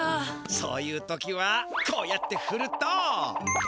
そういう時はこうやってふると。